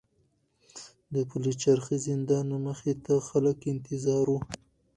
د پلچرخي زندان مخې ته خلک انتظار وو.